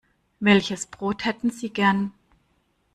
Welches Brot hätten Sie gern?